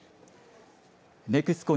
ＮＥＸＣＯ